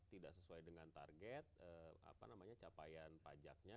tidak sesuai dengan target apa namanya capaian pajaknya